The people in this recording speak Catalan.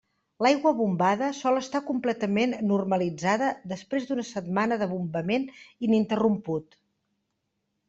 L'aigua bombada sol estar completament normalitzada després d'una setmana de bombament ininterromput.